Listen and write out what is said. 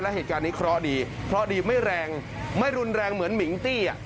เหตุการณ์นี้เคราะห์ดีเคราะห์ดีไม่แรงไม่รุนแรงเหมือนหมิงตี้อ่ะ